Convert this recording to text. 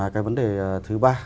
cái vấn đề thứ ba